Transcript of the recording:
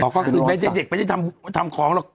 ก็คือไม่ใช่เด็กไม่ได้ทำของหรอก